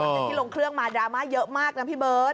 จากที่ลงเครื่องมาดราม่าเยอะมากนะพี่เบิร์ต